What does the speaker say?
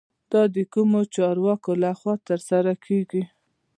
دا د کومو چارواکو له خوا ترسره کیږي؟